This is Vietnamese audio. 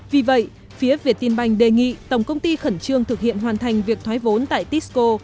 vì vậy phía việt tin banh đề nghị tổng công ty khẩn trương thực hiện hoàn thành việc thoái vốn tại tisco